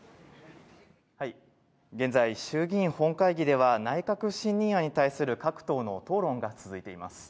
現在、衆議院本会議では、内閣不信任案に対する各党の討論が続いています。